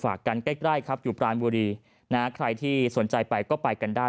กันใกล้ครับอยู่ปรานบุรีนะใครที่สนใจไปก็ไปกันได้